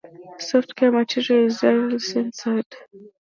Softcore material is rarely censored.